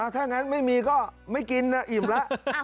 ถ้างั้นไม่มีก็ไม่กินนะอิ่มแล้ว